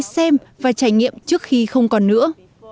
hãy đi xem và trải nghiệm trước khi không còn nữa